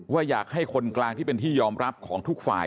อยากให้คนกลางที่เป็นที่ยอมรับของทุกฝ่าย